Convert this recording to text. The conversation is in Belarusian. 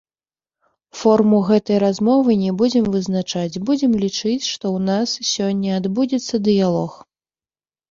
Форму гэтай размовы не будзем вызначаць, будзем лічыць, што ў нас сёння адбудзецца дыялог.